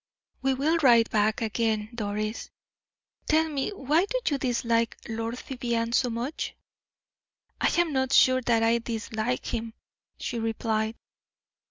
"We will ride back again, Doris. Tell me why do you dislike Lord Vivianne so much?" "I am not sure that I dislike him," she replied.